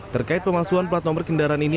terkait pemalsuan plat nomor kendaraan ini